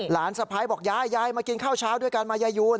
สะพ้ายบอกยายยายมากินข้าวเช้าด้วยกันมายายูน